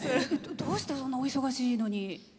どうしてお忙しいのに？